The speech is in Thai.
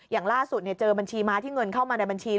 อย่างล่าสุดเจอบัญชีม้าที่เงินเข้ามาในบัญชี